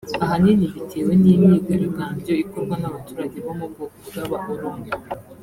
ahanini bitewe n’imyigaragambyo ikorwa n’abaturage bo mu bwoko bw’aba Oromo